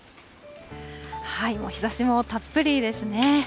日ざしもたっぷりですね。